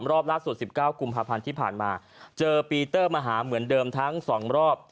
รอบล่าสุด๑๙กุมภาพันธ์ที่ผ่านมาเจอปีเตอร์มาหาเหมือนเดิมทั้ง๒รอบ